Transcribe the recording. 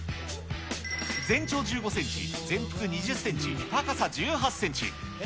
全長１５センチ、全幅２０センチ、高さ１８センチ。